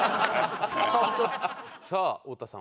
さあ太田さん